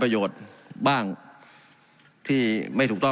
การปรับปรุงทางพื้นฐานสนามบิน